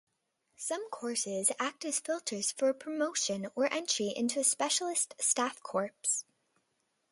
Some courses act as filters for promotion or entry into a specialist staff corps.